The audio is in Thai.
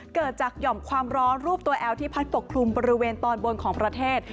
เกิดจากหย่อมความร้อนรูปตัวแอลที่พัดปกคลุมบริเวณตอนบนของประเทศ